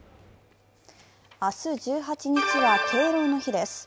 明日１８日は敬老の日です。